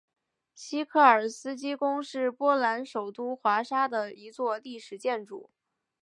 西科尔斯基宫是波兰首都华沙的一座历史建筑。